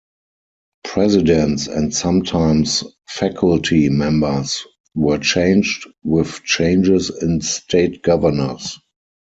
Presidents and sometimes faculty members, were changed with changes in state governors.